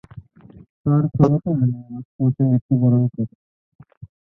তার খালাতো বোন মার্চ মাসে মৃত্যুবরণ করে।